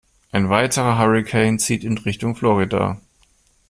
Ein weiterer Hurrikan zieht in Richtung Florida.